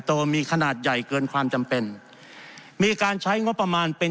โตมีขนาดใหญ่เกินความจำเป็นมีการใช้งบประมาณเป็น